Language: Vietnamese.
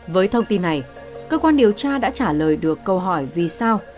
với thông tin này cơ quan điều tra đã trả lời được câu hỏi vì sao